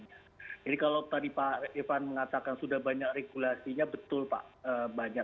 jadi kalau tadi pak evan mengatakan sudah banyak regulasinya betul pak banyak